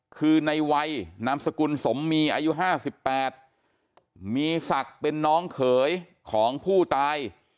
คือในวัยนามสกุลสมมีอายุ๕๘มีศักดิ์เป็นน้องเขยของผู้ตาย